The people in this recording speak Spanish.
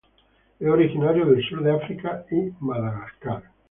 Es originario del sur de África y Madagascar.